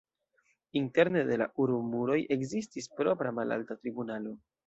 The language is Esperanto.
Interne de la urbomuroj ekzistis propra malalta tribunalo.